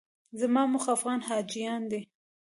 زما موخه افغان حاجیان دي.